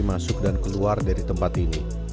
masuk dan keluar dari tempat ini